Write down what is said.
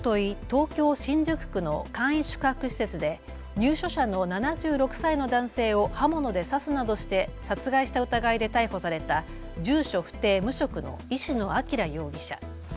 東京新宿区の簡易宿泊施設で入所者の７６歳の男性を刃物で刺すなどして殺害した疑いで逮捕された住所不定、無職の石野彰容疑者。